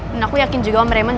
dan aku yakin juga om raymond